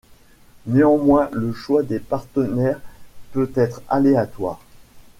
Néanmoins, le choix des partenaires peut être aléatoire.